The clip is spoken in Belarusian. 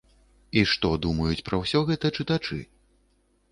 І што думаюць пра ўсё гэта чытачы?